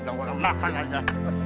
jangan orang lakang aja